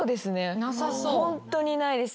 ホントにないです。